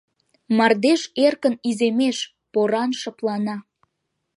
Мардеж эркын иземеш, поран шыплана.